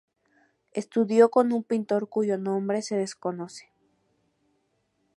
Estudió con un pintor cuyo nombre se desconoce.